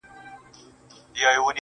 په څو ساعته دې د سترگو باڼه و نه رپي_